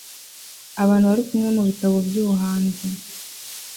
Abantu barikumwe mubitabo byubuhanzi